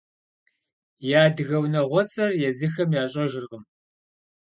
Я адыгэ унагъуэцӀэр езыхэм ящӀэжыркъым.